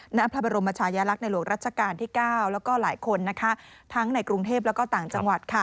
หน้าพระบรมชายลักษณ์ในหลวงรัชกาลที่๙แล้วก็หลายคนทั้งในกรุงเทพและต่างจังหวัด